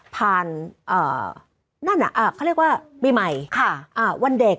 นั่นเขาเรียกว่าปีใหม่วันเด็ก